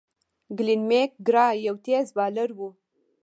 گلين میک ګرا یو تېز بالر وو.